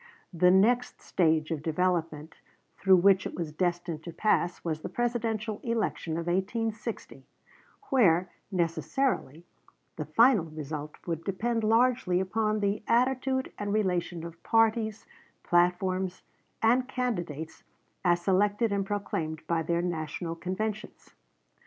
The next stage of development through which it was destined to pass was the Presidential election of 1860, where, necessarily, the final result would depend largely upon the attitude and relation of parties, platforms, and candidates as selected and proclaimed by their National conventions.